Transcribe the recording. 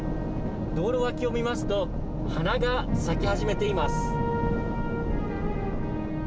道路脇をみますと花が咲き始めています。